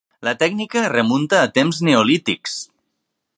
La tècnica es remunta a temps neolítics.